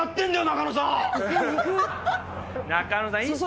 中野さん